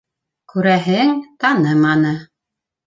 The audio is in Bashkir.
Күрәһең, таныманы.